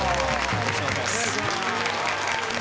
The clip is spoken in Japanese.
よろしくお願いします